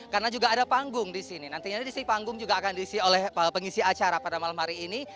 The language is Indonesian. karena juga ada panggung disini nantinya disini panggung juga akan diisi oleh pengisi acara pada malam hari ini